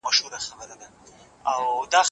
آس په آزاده هوا کې د مننې په توګه خپل سر وښوراوه.